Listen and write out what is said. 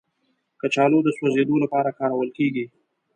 کچالو د سوځیدو لپاره کارول کېږي